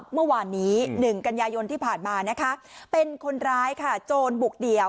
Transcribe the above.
เมื่อวานนี้๑กันยายนที่ผ่านมานะคะเป็นคนร้ายค่ะโจรบุกเดี่ยว